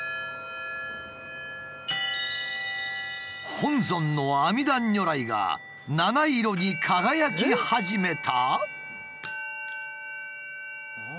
本尊の阿弥陀如来が七色に輝き始めた？